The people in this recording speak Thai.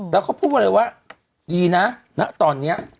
แล้วเขาพูดมาเลยว่าดีนะณตอนนี้